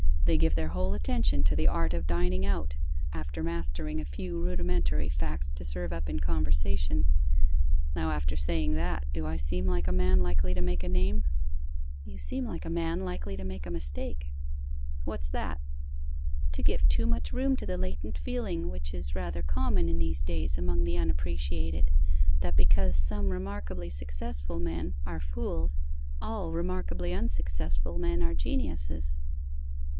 They give their whole attention to the art of dining out, after mastering a few rudimentary facts to serve up in conversation. Now after saying that, do I seem a man likely to make a name?' 'You seem a man likely to make a mistake.' 'What's that?' 'To give too much room to the latent feeling which is rather common in these days among the unappreciated, that because some remarkably successful men are fools, all remarkably unsuccessful men are geniuses.